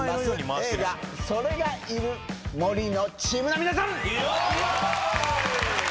映画『”それ”がいる森』のチームの皆さん！